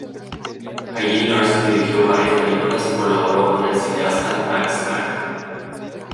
Allí Larsen dirigió varias películas y colaboró con el cineasta Max Mack.